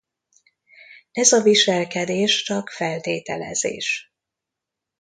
Ez a viselkedés csak feltételezés.